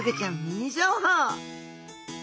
ミニ情報